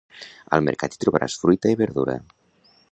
Al Mercat hi trobaràs fruita i verdura.